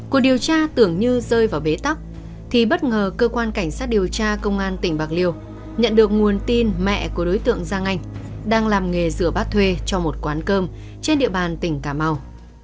cuộc điều tra tưởng như rơi vào bế tắc thì bất ngờ cơ quan cảnh sát điều tra công an tỉnh bạc liêu nhận được nguồn tin mẹ của đối tượng giang anh đang làm nghề rửa bát thuê cho một quán cơm trên địa bàn tỉnh cà mau